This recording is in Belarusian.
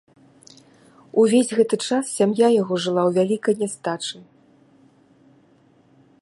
Увесь гэты час сям'я яго жыла ў вялікай нястачы.